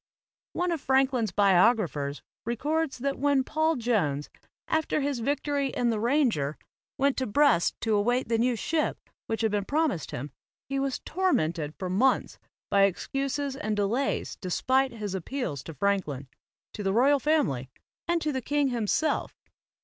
One of Franklin's biographers records that when Paul Jones, after his victory in the "Ranger" went to Brest to await the new ship which had been promised him, he was tormented for months by excuses and delays despite his appeals to Franklin, to the royal family and to the king himself.